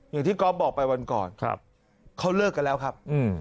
อย่างที่ก๊อฟบอกไปวันก่อนเขาเลิกกันแล้วครับ